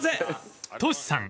［トシさん